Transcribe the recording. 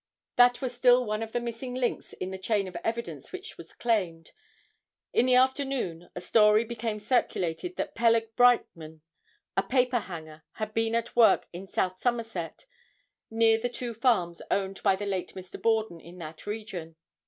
That was still one of the missing links in the chain of evidence which was claimed. In the afternoon, a story became circulated that Peleg Brightman, a paper hanger, had been at work in South Somerset, near the two farms owned by the late Mr. Borden in that region.